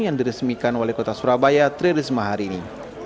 yang diresemikan oleh kota surabaya tri risma hari ini